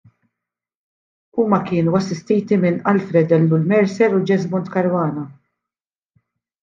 Huma kienu assistiti minn Alfred Ellul Mercer u Jesmond Caruana.